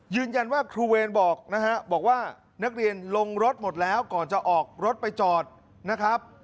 ครูเวรบอกนะฮะบอกว่านักเรียนลงรถหมดแล้วก่อนจะออกรถไปจอดนะครับ